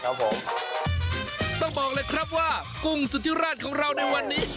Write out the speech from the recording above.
ครับผมต้องบอกเลยครับว่ากุ้งสุธิราชของเราในวันนี้